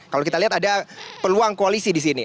kalau kita lihat ada peluang koalisi di sini